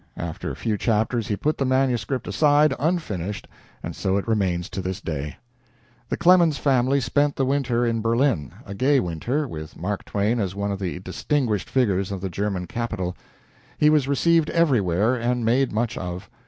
After a few chapters he put the manuscript aside, unfinished, and so it remains to this day. The Clemens family spent the winter in Berlin, a gay winter, with Mark Twain as one of the distinguished figures of the German capital. He was received everywhere and made much of.